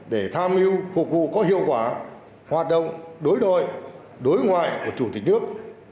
để tham hiu phục vụ có hiệu quả hoạt động đối đổi đối ngoại của chủ tịch nước